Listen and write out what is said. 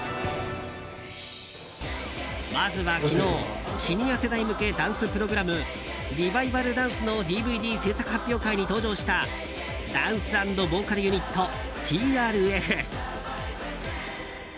まずは昨日シニア世代向けダンスプログラム「リバイバルダンス」のＤＶＤ制作発表会に登場したダンス＆ボーカルユニットＴＲＦ。